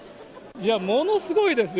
ものすごいですよ。